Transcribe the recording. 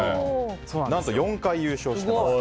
何と４回優勝してます。